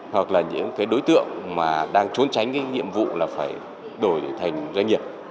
hoặc là những đối tượng đang trốn tránh nhiệm vụ là phải đổi thành doanh nghiệp